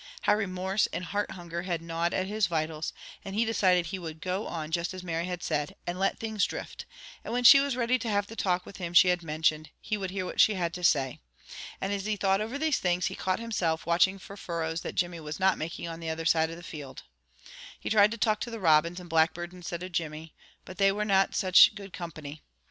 How remorse and heart hunger had gnawed at his vitals, and he decided that he would go on just as Mary had said, and let things drift; and when she was ready to have the talk with him she had mentioned, he would hear what she had to say. And as he thought over these things, he caught himself watching for furrows that Jimmy was not making on the other side of the field. He tried to talk to the robins and blackbirds instead of Jimmy, but they were not such good company.